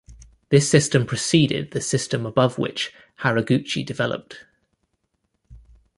This system preceded the system above which Haraguchi developed.